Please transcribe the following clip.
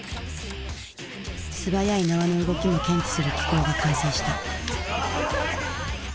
素早い縄の動きも検知する機構が完成した。